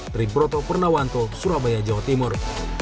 dari broto pernawanto surabaya jawa timur